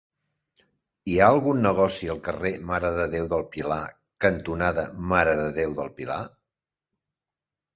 Hi ha algun negoci al carrer Mare de Déu del Pilar cantonada Mare de Déu del Pilar?